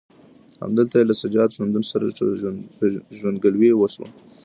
همدلته یې له سجاد ژوندون سره پېژندګلوي وشوه.